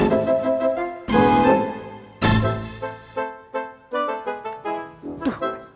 kalau kagak diremeh nabrak